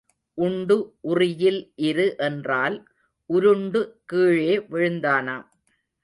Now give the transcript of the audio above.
உண்டு உறியில் இரு என்றால் உருண்டு கீழே விழுந்தானாம்.